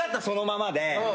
そのままで。